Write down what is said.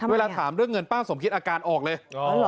เวลาถามเรื่องเงินป้าสมคิดอาการออกเลย